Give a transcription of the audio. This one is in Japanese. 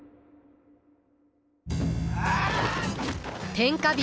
天下人